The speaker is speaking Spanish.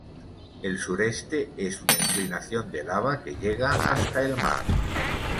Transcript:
El sureste es una inclinación de lava que llega hasta el mar.